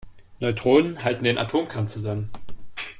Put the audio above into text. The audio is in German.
Neutronen halten den Atomkern zusammen.